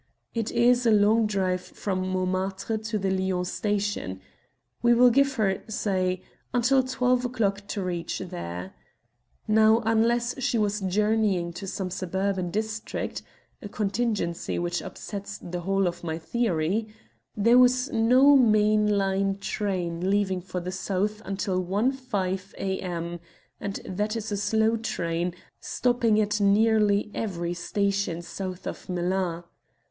It is a long drive from Montmartre to the Lyons station. We will give her, say, until twelve o'clock to reach there. Now, unless she was journeying to some suburban district a contingency which upsets the whole of my theory there was no main line train leaving for the south until 1.5 a.m., and that is a slow train, stopping at nearly every station south of Melun.